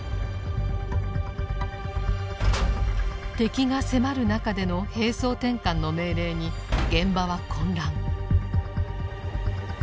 敵が迫る中での「兵装転換」の命令に現場は混乱。